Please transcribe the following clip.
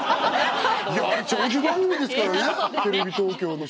あれ長寿番組ですからねテレビ東京の。